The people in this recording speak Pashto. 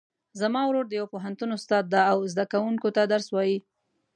زما ورور د یو پوهنتون استاد ده او زده کوونکو ته درس وایي